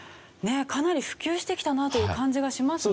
かなり普及してきたなという感じがしますね。